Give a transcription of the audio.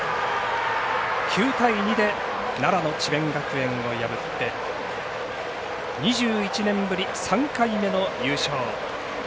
９対２で奈良の智弁学園を破って２１年ぶり３回目の優勝。